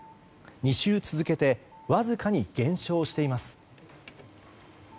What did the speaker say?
２週続けてわずかに減少しています。